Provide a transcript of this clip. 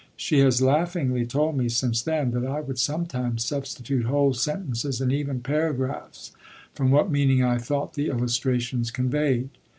She has laughingly told me, since then, that I would sometimes substitute whole sentences and even paragraphs from what meaning I thought the illustrations conveyed.